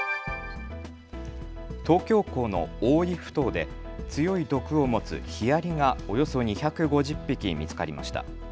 東京港の大井ふ頭で強い毒を持つヒアリがおよそ２５０匹見つかりました。